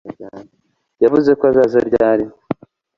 Yavuze ko azaza ryari